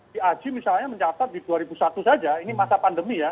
di aji misalnya mencatat di dua ribu satu saja ini masa pandemi ya